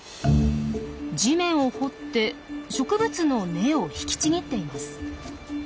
地面を掘って植物の根を引きちぎっています。